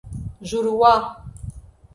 Juruá